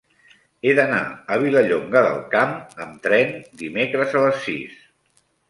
He d'anar a Vilallonga del Camp amb tren dimecres a les sis.